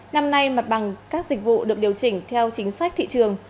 năm nay mặt bằng các dịch vụ được điều chỉnh theo chính sách thị trường